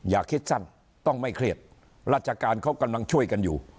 อย่าคิดสั้นต้องไม่เครียดราชการเขากำลังช่วยกันอยู่